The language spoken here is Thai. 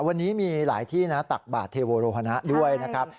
วันนี้มีหลายที่นะตักบาทเทโวโรฮนะด้วยนะครับ